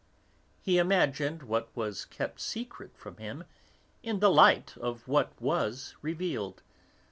He imagined what was kept secret from him in the light of what was revealed.